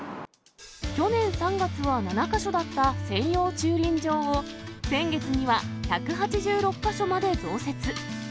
去年３月は７か所だった専用駐輪場を、先月には１８６か所まで増設。